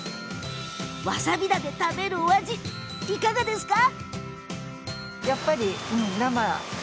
わさび田で食べるお味いかがですか？